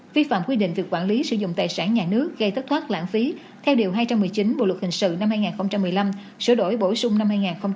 vi phạm quy định về quản lý sử dụng tài sản nhà nước gây thất thoát lãng phí theo điều hai trăm một mươi chín bộ luật hình sự năm hai nghìn một mươi năm sửa đổi bổ sung năm hai nghìn một mươi bảy